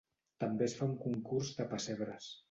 També es fa un concurs de pessebres.